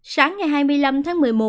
sáng ngày hai mươi năm tháng một mươi một